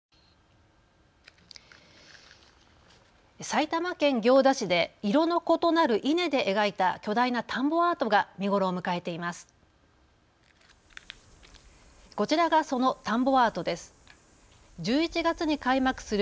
埼玉県行田市で色の異なる稲で描いた巨大な田んぼアートが見頃を迎えています。